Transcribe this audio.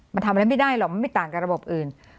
มันทำอะไรไม่ได้หรอกมันไม่ต่างกับระบบอื่น